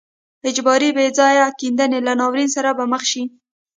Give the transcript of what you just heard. اجباري بې ځای کېدنې له ناورین سره به مخ شي.